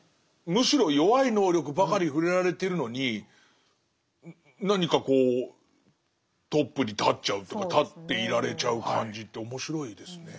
むしろ弱い能力ばかり触れられてるのに何かこうトップに立っちゃうというか立っていられちゃう感じって面白いですね。